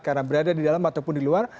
karena berada di dalam ataupun di luar